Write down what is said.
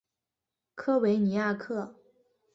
科维尼亚克。